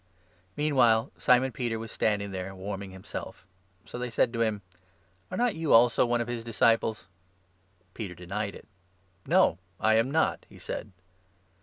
24 Meanwhile Simon Peter was standing there, warming him 25 self ; so they said to him : "Are not you also one of his disciples?" Peter denied it. " No, I am not," he said.